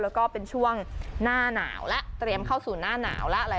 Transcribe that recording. แล้วก็เป็นช่วงหน้าหนาวแล้วเตรียมเข้าสู่หน้าหนาวแล้วอะไร